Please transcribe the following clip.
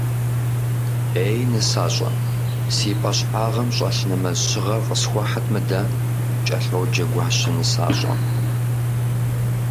Ей нысащӏэ, си пӏэщхьагъым щӏэлъ нэмэз щыгъэр къысхуэхьыт мыдэ, — кӏэлъоджэ Гуащэ нысащӏэм.